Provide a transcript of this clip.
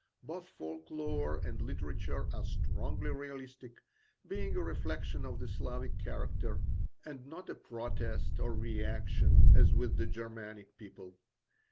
Both folk lore and literature are strongly realistic, being a reflection of the Slavic character, and not a protest or reaction, as with the Germanic people.